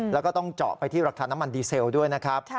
แล้วก็ต้องเจาะไปที่ราคาน้ำมันดีเซลด้วยนะครับ